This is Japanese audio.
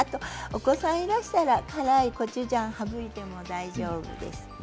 お子さんがいっらしたら辛いコチュジャンを省いても大丈夫です。